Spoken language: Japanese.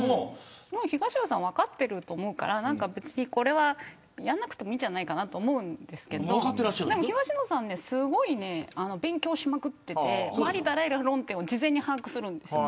東野さん分かっていると思うから別にこれは、やらなくてもいいと思うんですけど東野さん、すごいね勉強しまくっていてありとあらゆる論点を事前に把握するんですよ。